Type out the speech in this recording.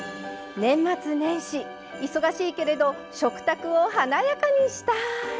年末年始忙しいけれど食卓を華やかにしたい！